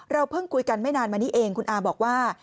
เพิ่งคุยกันไม่นานมานี้เองคุณอาบอกว่า